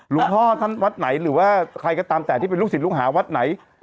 หลวงพ่อท่านวัดไหนหรือว่าใครก็ตามแต่ที่เป็นลูกศิษย์ลูกหาวัดไหน